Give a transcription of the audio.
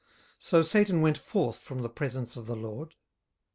So Satan went forth from the presence of the LORD.